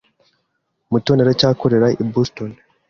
Mutoni aracyakorera i Boston?